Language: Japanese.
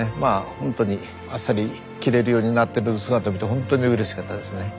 ほんとにあっさり切れるようになってる姿見てほんとにうれしかったですね。